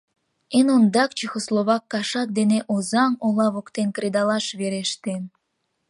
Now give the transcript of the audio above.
Эн ондак чехословак кашак дене Озаҥ ола воктен кредалаш вереште.